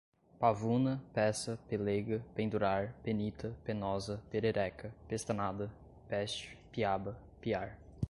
pavuna, peça, pelêga, pendurar, penita, penosa, perereca, pestanada, peste, piaba, piar